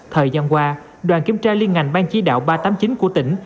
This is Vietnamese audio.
thời gian qua đoàn kiểm tra liên ngành ban chí đạo ba trăm tám mươi chín của tỉnh